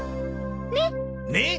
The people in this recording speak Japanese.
ねっ？